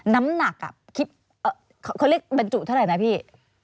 น้ำหนักคิดเขาเรียกบรรจุเท่าไหร่นะพี่